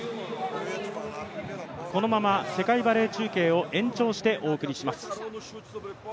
このまま世界バレー中継を延長してお送りします。